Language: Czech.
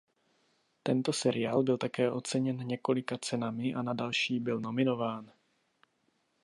Tento seriál byl také oceněn několika cenami a na další byl nominován.